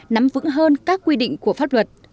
nắm vững hơn các quy định của pháp luật